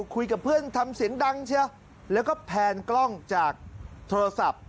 คุยกับเพื่อนทำเสียงดังเชียวแล้วก็แพนกล้องจากโทรศัพท์